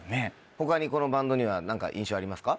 他にこのバンドには何か印象ありますか？